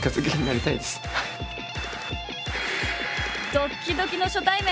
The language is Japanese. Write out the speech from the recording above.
ドッキドキの初対面！